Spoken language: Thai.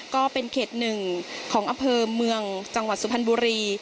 ก็เป็นเขต๑ของอำเภอเมืองจังหวัดสุพรรณบุรี